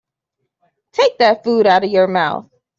Take that food out of your mouth.